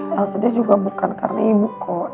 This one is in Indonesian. el el sedih juga bukan karena ibu kok